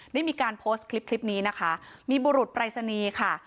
ได้มีการโพสต์คลิปคลิปนี้นะคะมีบุรุษปรายศนีย์ค่ะ